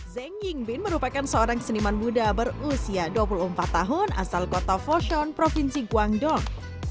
zeng ying bin merupakan seorang seniman muda berusia dua puluh empat tahun asal kota fossion provinsi guangdong